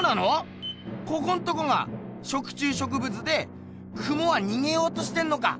ここんとこが食虫植物でクモはにげようとしてんのか？